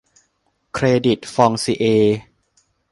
เครดิตฟองซิเอร์